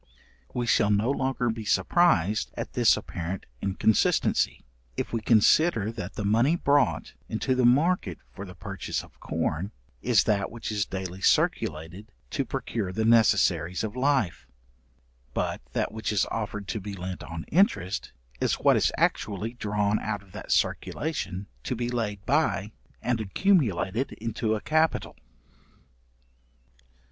We shall no longer be surprised at this apparent inconsistency, if we consider that the money brought into the market for the purchase of corn, is that which is daily circulated to procure the necessaries of life; but that which is offered to be lent on interest, is what is actually drawn out of that circulation to be laid by and accumulated into a capital.